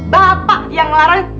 bisa berubah juga